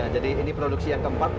jadi ini produksi yang keempat